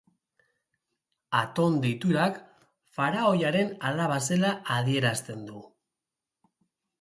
Aton deiturak, faraoiaren alaba zela adierazten du.